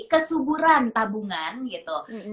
kesuburan tabungan gitu